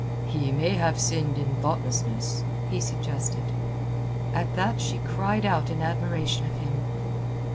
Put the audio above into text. "He may have sinned in thoughtlessness," he suggested. At that she cried out in admiration of him.